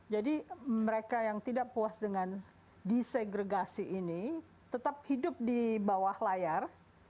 jadi mereka yang tidak puas dengan desegregasi ini tetap hidup di bawah layar